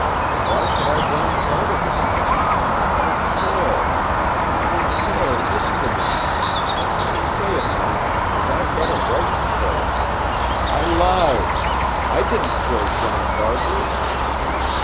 Why should I blame Cardigan? Mon pere mon pere listen to me. I can say it now, because I've got a right to say it. I LIED. I didn't kill John Barkley!"